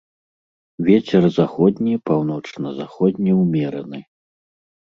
Вецер заходні, паўночна-заходні ўмераны.